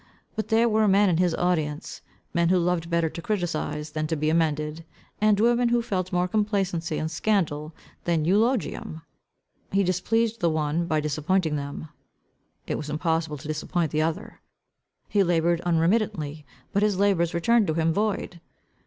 But there were men in his audience, men who loved better to criticise, than to be amended; and women, who felt more complacency in scandal, than eulogium. He displeased the one by disappointing them; it was impossible to disappoint the other. He laboured unremittedly, but his labours returned to him void.